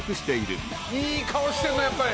いい顔してんなやっぱり。